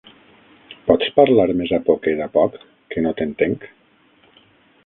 Pots parlar més a poquet a poc, que no t'entenc?